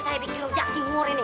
saya bikin rujak cimur ini